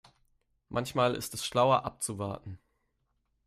Manchmal ist es schlauer abzuwarten.